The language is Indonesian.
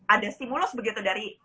ada stimulus begitu dari